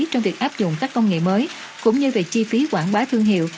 trong việc áp dụng các công nghệ mới cũng như về chi phí quảng bá thương hiệu